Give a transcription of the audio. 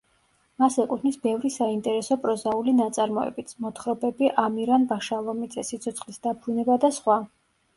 მას ეკუთვნის ბევრი საინტერესო პროზაული ნაწარმოებიც: მოთხრობები ამირან ვაშალომიძე, სიცოცხლის დაბრუნება და სხვა.